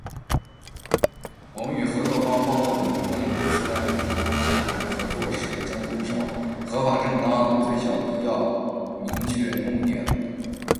我们与合作方（包括我们的关联公司、外部第三方，下同）合作时，将遵守“合法正当、最小必要、目的明确原则”。